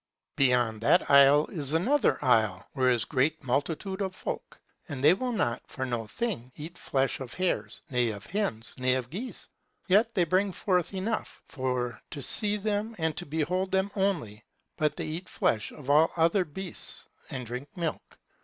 Beyond that isle is another isle, where is great multitude of folk. And they will not, for no thing, eat flesh of hares, ne of hens, ne of geese; and yet they bring forth enough, for to see them and to behold them only; but they eat flesh of all other beasts, and drink milk.